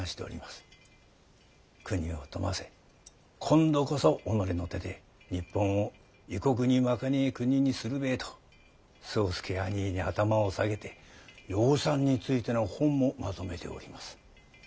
国を富ませ今度こそ己の手で日本を異国に負けねぇ国にするべぇと宗助あにぃに頭を下げて養蚕についての本もまとめております。